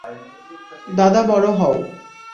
দাদা, বড় হও।